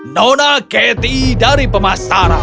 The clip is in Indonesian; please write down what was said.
nona katie dari pemasaran